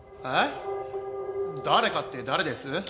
えっ誰かって誰です？